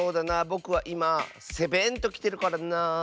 ぼくはいまセベンときてるからなあ。